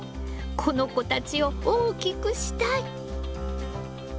この子たちを大きくしたい！